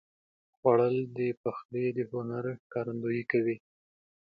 خوړل د پخلي د هنر ښکارندویي کوي